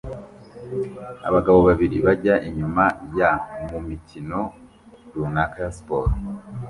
Abagabo babiri bajya inyuma ya mumikino runaka ya siporo